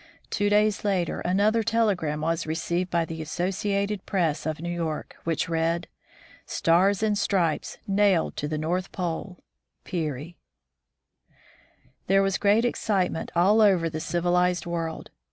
Two days later another telegram was received by the Associated Press of New York, which read :" Stars and stripes nailed to the North Pole. "Peary." There was great excitement all over the civilized world.